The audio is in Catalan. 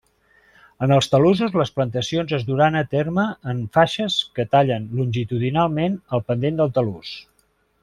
En els talussos les plantacions es duran a terme en faixes que tallen longitudinalment el pendent del talús.